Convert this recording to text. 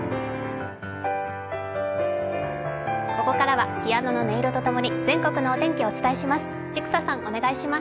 ここからはピアノの音色と共に全国のお天気をお伝えします。